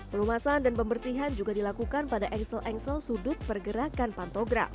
pelumasan dan pembersihan juga dilakukan pada engsel engsel sudut pergerakan pantograf